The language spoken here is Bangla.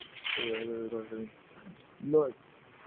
শশী ভাবিয়া দেখিল, কথাটা মিথ্যা নয়।